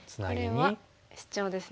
これはシチョウですね。